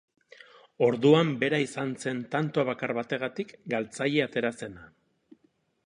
Orduan bera izan zen tanto bakar bategatik galtzaile atera zena.